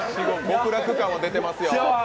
極楽感は出てますよ。